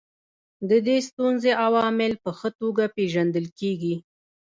د دې ستونزې عوامل په ښه توګه پېژندل کیږي.